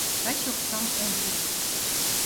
— Таче оксам ом пу...